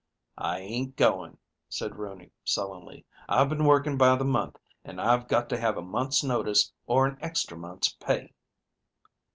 "I ain't going," said Rooney sullenly. "I've been working by the month, and I've got to have a month's notice or an extra month's pay."